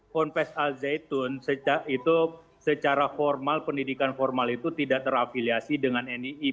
ponpes al zaitun itu secara formal pendidikan formal itu tidak terafiliasi dengan nii